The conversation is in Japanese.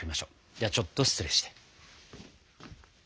ではちょっと失礼して。